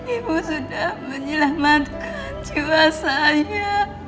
ibu sudah menyelamatkan jiwa saya